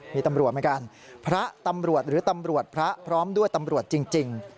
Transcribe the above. มีตำรวจเหมือนกันพระตำรวจหรือตำรวจพระพร้อมด้วยตำรวจจริง